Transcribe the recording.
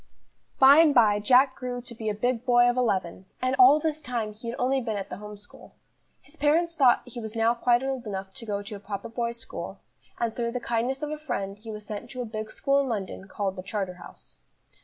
BY and by Jack grew to be a big boy of eleven, and all this time he had only been at the home school. His parents thought he was now quite old enough to go to a proper boys' school, and through the kindness of a friend, he was sent to a big school in London called the Charterhouse.